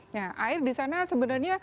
nah air disana sebenarnya